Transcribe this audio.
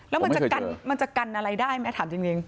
แล้วมันจะกันอะไรได้ไหมถามจริง